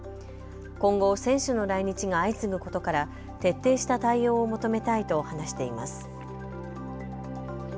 今後、選手の来日が相次ぐことから、徹底した対応を求めたいと話しています。